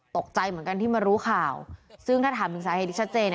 ตกใจเหมือนกันที่มารู้ข่าวซึ่งถ้าถามถึงสาเหตุที่ชัดเจน